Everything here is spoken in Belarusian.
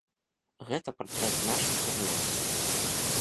Гэта партрэт нашай каралевы!